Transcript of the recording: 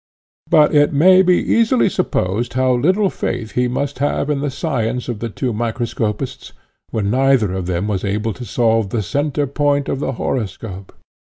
But it may be easily supposed how little faith he must have in the science of the two microscopists, when neither of them was able to solve the centre point of the horoscope.